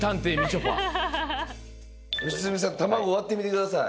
良純さん卵割ってみてください。